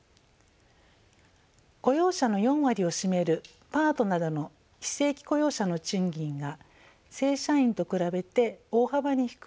雇用者の４割を占めるパートなどの非正規雇用者の賃金が正社員と比べて大幅に低い。